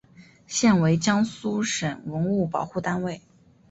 现为江苏省文物保护单位。